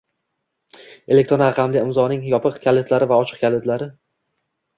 Elektron raqamli imzoning yopiq kalitlari va ochiq kalitlari